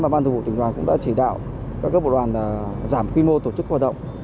ban thủ tỉnh đoàn cũng đã chỉ đạo các bộ đoàn giảm quy mô tổ chức hoạt động